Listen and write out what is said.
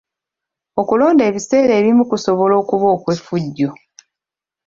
Okulonda ebiseera ebimu kusobola okuba okw'effujjo.